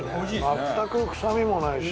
全く臭みもないし。